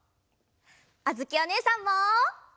あづきおねえさんも！